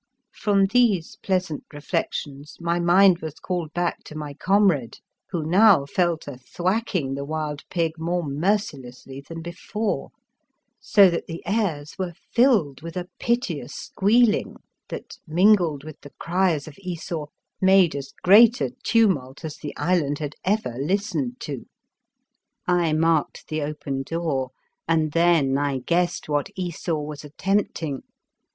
From these pleasant reflections my mind was called back to my com rade, who now fell to thwacking the wild pig more mercilessly than before, so that the airs were filled with a piteous squealing that, mingled with the cries of Esau, made as great a tumult as the island had ever listened 109 The Fearsome Island to. I marked the open door and then I guessed what Esau was attempting.